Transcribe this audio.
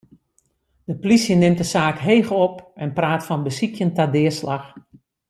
De plysje nimt de saak heech op en praat fan besykjen ta deaslach.